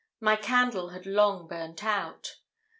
My candle had long burnt out.